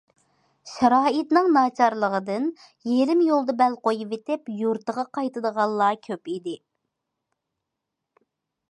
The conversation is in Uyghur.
شارائىتنىڭ ناچارلىقىدىن يېرىم يولدا بەل قويۇۋېتىپ، يۇرتىغا قايتىدىغانلار كۆپ ئىدى.